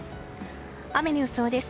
雨の予想です。